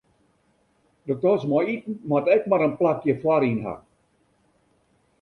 De tas mei iten moat ek mar in plakje foaryn ha.